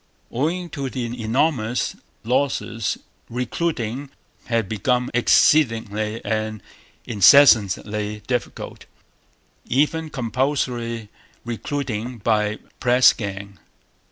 Owing to the enormous losses recruiting had become exceedingly and increasingly difficult, even compulsory recruiting by press gang.